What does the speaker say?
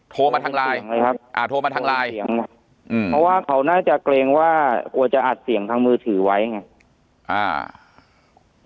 โทรมาทางไลน์โทรมาทางไลน์เพราะว่าเขาน่าจะเกรงว่ากลัวจะอัดเสียงทางมือถือไว้ไง